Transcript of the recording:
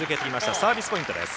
サービスポイントです。